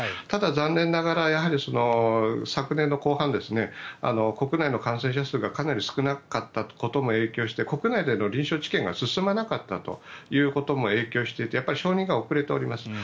ただ、残念ながら昨年の後半に国内の感染者数がかなり少なかったことも影響して国内での臨床治験が進まなかったということも影響していて承認が遅れております。